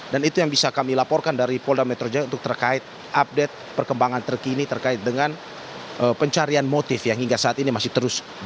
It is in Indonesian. dan itu yang bisa kami laporkan dari polda metro jaya untuk terkait update perkembangan terkini terkait dengan pencarian motif yang hingga saat ini masih terus berjalan